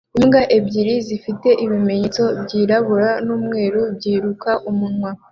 Imbwa ebyiri zifite ibimenyetso byirabura n'umweru byiruka umunwa